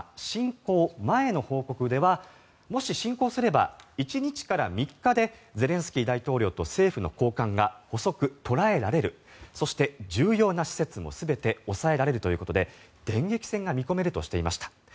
侵攻前の報告ではもし侵攻すれば１日から３日でゼレンスキー大統領と政府の高官が捕捉、捕らえられるそして重要な施設も全て押さえられるということで電撃戦が見込めるとしていました。